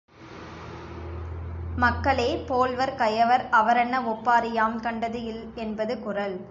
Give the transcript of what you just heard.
மக்களே போல்வர் கயவர் அவரன்ன ஒப்பாரி யாம் கண்டது இல் என்பது குறள்.